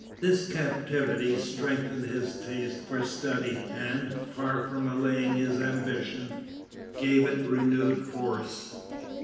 This captivity strengthened his taste for study, and, far from allaying his ambition, gave it renewed force.